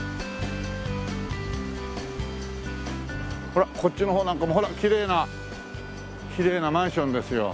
ほらこっちの方なんかもほらきれいなきれいなマンションですよ。